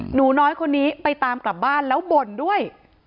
หนูน้อยคนนี้ไปตามกลับบ้านแล้วบ่นด้วย